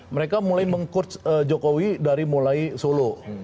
mereka mulai meng coach jokowi dari mulai solo